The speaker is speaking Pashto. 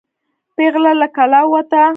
پیغله له کلا ووته.